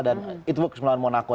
dan itu kesempatan monaco